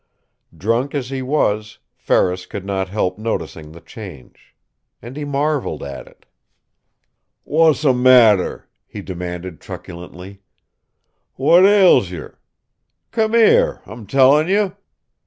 Drunk as he was Ferris could not help noticing the change. And he marveled at it. "Whasser matter?" he demanded truculently. "What ails yer? C'm here, I'm tellin' you!"